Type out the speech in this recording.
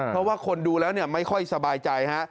เพราะว่าคนดูแล้วไม่ค่อยสบายใจฮะ